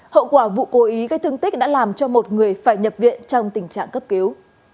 hậu quả vụ cố ý gây thương tích đã làm cho một người phải nhập viện trong tình trạng cấp cứu